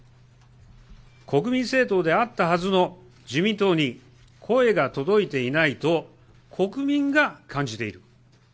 国民政党であったはずの自民党に声が届いていないと、国民が感じている。